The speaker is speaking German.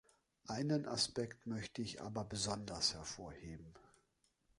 Einen Aspekt möchte ich aber besonders hervorheben.